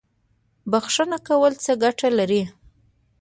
بخښنه کول څه ګټه لري؟